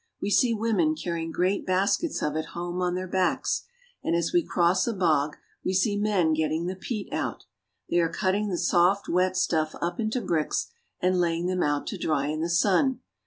We see women car rying great baskets of it home on their backs, and as we cross a bog we see men getting the peat out They are cutting the soft, wet stuff up into bricks, and laying them out to dry in the sun.